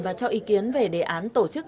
và cho ý kiến về đề án tổ chức